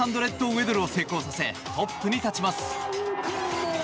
ウェドルを成功させ、トップに立ちます。